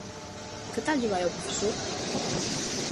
Que tal lle vai ó profesor?